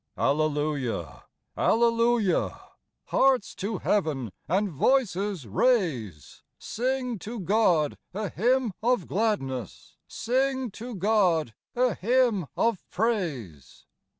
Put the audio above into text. Alleluia ! Alleluia ! Hearts to heaven, and voices, raise ; Sing to God a hymn of gladness, Sing to God a hymn of praise.